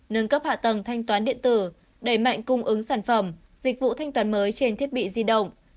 nâng cấp hạ tầng thanh toán điện tử đẩy mạnh cung ứng sản phẩm dịch vụ thanh toán mới trên thiết bị di động